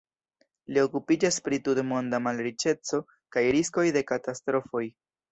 Li okupiĝas pri tutmonda malriĉeco kaj riskoj de katastrofoj.